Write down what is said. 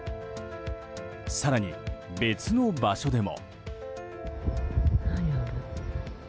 更に、別の場所でも。